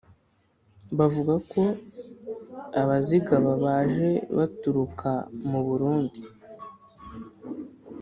bavuga ko abazigaba baje baturuka mu burundi